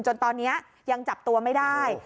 จนตอนนี้ยังจับตัวไม่ได้